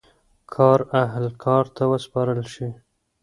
کار اهل کار ته وسپارل شي.